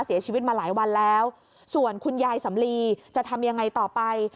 เสียชีวิตมาหลายวันแล้วส่วนคุณยายสำลีจะทำยังไงต่อไป